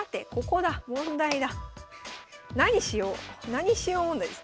何しよう問題です。